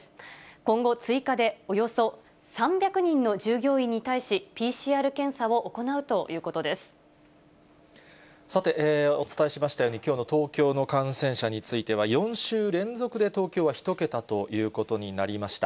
今後、追加でおよそ３００人の従業員に対し、ＰＣＲ検査を行うというこさて、お伝えしましたように、きょうの東京の感染者については、４週連続で東京は１桁ということになりました。